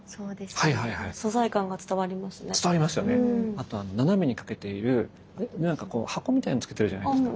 あと斜めにかけている何かこう箱みたいなのを着けてるじゃないですか。